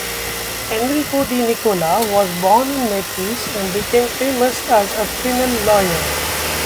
Enrico De Nicola was born in Naples and became famous as a penal lawyer.